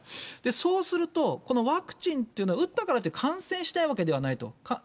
そうすると、このワクチンっていうのは、打ったからって、感染しないわけではないと。